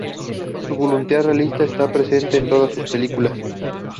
Su voluntad realista está presente en todas sus películas.